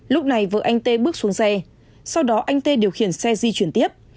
lúc này vợ anh tê bước xuống xe sau đó anh tê điều khiển xe di chuyển tiếp